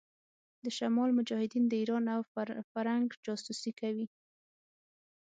د شمال مجاهدين د ايران او فرنګ جاسوسي کوي.